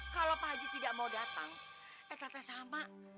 kalau pak haji tidak mau datang tetap sama